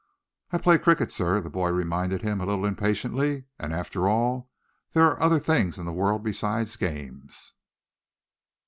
"I play cricket, sir," the boy reminded him, a little impatiently, "and, after all, there are other things in the world besides games."